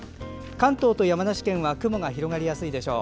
関東と山梨県は雲が広がりやすいでしょう。